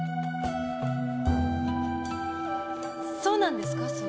そうなんですか？